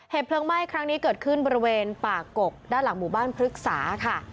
เพลิงไหม้ครั้งนี้เกิดขึ้นบริเวณป่ากกด้านหลังหมู่บ้านพฤกษาค่ะ